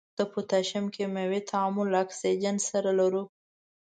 د پوتاشیم کیمیاوي تعامل له اکسیجن سره لرو.